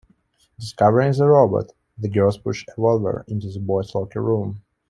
Discovering the robot, the girls push Evolver into the boys locker room.